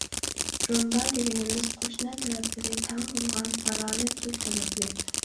رومبا دېگىنىمىز، قوشنا تەرەپلىرى تەڭ بولغان پاراللېل تۆت تەرەپلىك.